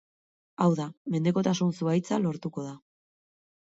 Hau da, mendekotasun-zuhaitza lortuko da.